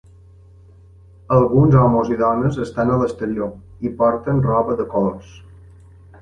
Alguns homes i dones estan a l'exterior i porten roba de colors.